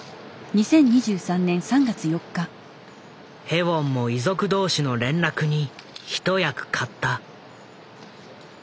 ヘウォンも遺族同士の連絡に一役買った。